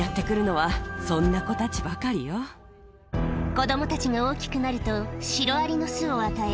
子供たちが大きくなるとシロアリの巣を与え